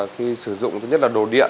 khi sử dụng thứ nhất là đồ điện